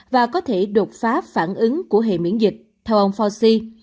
và có thể đột phá phản ứng của hệ miễn dịch theo ông foci